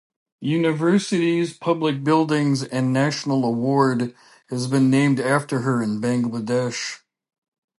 Universities, public buildings and National Award has been named after her in Bangladesh.